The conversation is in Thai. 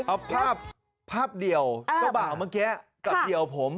เอาภาพภาพเดี่ยวเจ้าบ่าวเมื่อกี้กับเดี่ยวผม